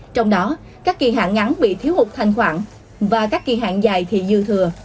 trong đó các kỳ hạn ngắn bị thiếu hụt thanh khoản và các kỳ hạn dài thì dư thừa